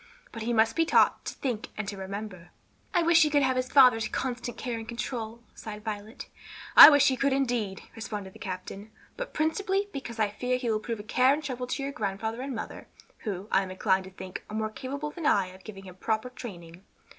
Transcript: But he must be taught to think and to remember." "I wish he could have his father's constant care and control," sighed Violet. "I wish he could indeed!" responded the captain; "but principally because I fear he will prove a care and trouble to your grandfather and mother, who, I am inclined to think, are more capable than I of giving him proper training.